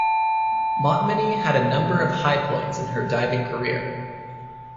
Montminy had a number of highpoints in her diving career.